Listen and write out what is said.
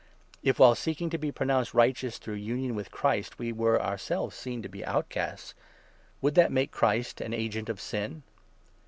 If, while seeking to be pronounced 17 righteous through union with Christ, we were ourselves seen to be outcasts, would that make Christ an agent of sin?